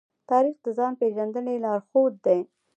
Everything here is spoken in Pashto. تاریخ د ځان پېژندنې لارښود دی.